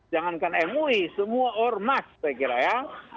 jangankan mui semua ormas saya kira ya